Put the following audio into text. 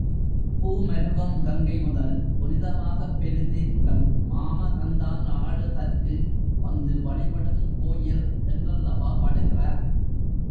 பூமருவும் கங்கை முதல் புனிதமாகப் பெருதீர்த்தம் மாமகந்தான் ஆடுதற்கு வந்து வழிபடுங் கோயில் என்றல்லவா பாடுகிறார்.